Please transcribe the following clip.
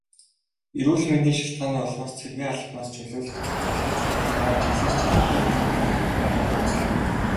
Эрүүл мэндийн шалтгааны улмаас цэргийн албанаас чөлөөлөгдөх залуучуудын тоо жилээс жилд буурахгүй байгааг онцлов.